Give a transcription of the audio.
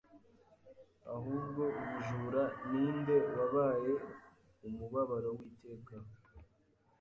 Ahubwo ubujura ninde wabaye umubabaro w'iteka